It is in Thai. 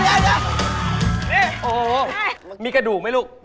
มายมีกระดูกมั้ยลูก